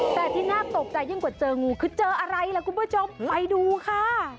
แต่ที่น่าตกใจยิ่งกว่าเจองูคือเจออะไรล่ะคุณผู้ชมไปดูค่ะ